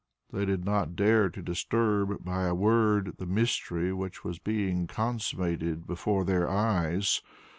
They did not dare to disturb by a word the mystery which was being consummated before their eyes.